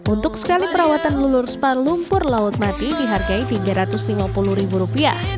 untuk sekali perawatan lulur spa lumpur laut mati dihargai rp tiga ratus lima puluh